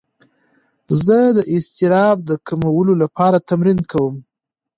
زه د اضطراب د کمولو لپاره تمرین کوم.